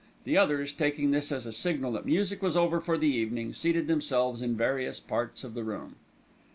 The others, taking this as a signal that music was over for the evening, seated themselves in various parts of the room.